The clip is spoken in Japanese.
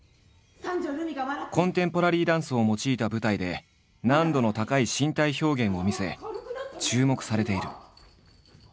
コンテンポラリーダンスを用いた舞台で難度の高い身体表現を見せ注目されている。